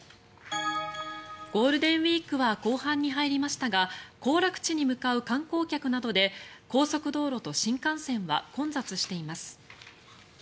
ゴールデンウィークは後半に入りましたが行楽地に向かう観光客などで高速道路と新幹線は混雑しています。